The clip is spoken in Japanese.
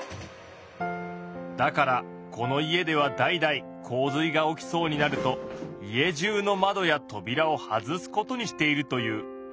だからこの家では代々洪水が起きそうになると家じゅうの窓やとびらを外すことにしているという。